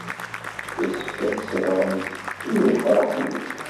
Yessefk ad tṣebremt i weqraḥ-nni.